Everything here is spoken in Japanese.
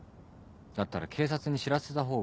だったら警察に知らせた方が。